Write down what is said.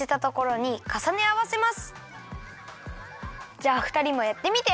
じゃあふたりもやってみて！